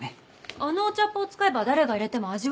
あのお茶っ葉を使えば誰が入れても味は。